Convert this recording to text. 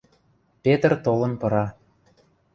Петр толын пыра.